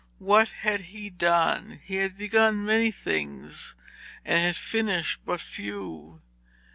What had he done? He had begun many things and had finished but few.